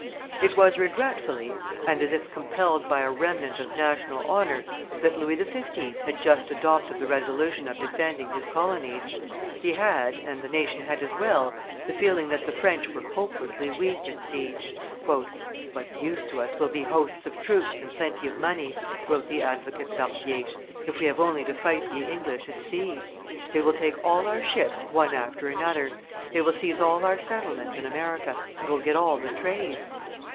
It was regretfully, and as if compelled by a remnant of national honor, that Louis XV. had just adopted the resolution of defending his colonies; he had, and the nation had as well, the feeling that the French were hopelessly weak at sea. "What use to us will be hosts of troops and plenty of money," wrote the advocate Barbier, "if we have only to fight the English at sea? They will take all our ships one after another, they will seize all our settlements in America, and will get all the trade.